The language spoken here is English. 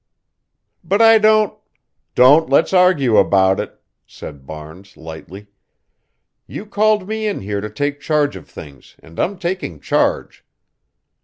"But I don't" "Don't let's argue about it," said Barnes, lightly. "You called me in here to take charge of things and I'm taking charge.